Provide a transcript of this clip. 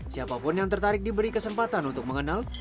siapapun yang tertarik diberi kesempatan untuk mengenal